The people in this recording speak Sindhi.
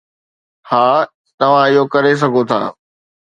ها، توهان اهو ڪري سگهو ٿا.